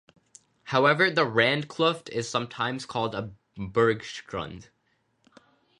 However, the randkluft is sometimes called a bergschrund.